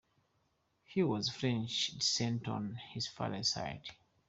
He was of French descent on his father's side.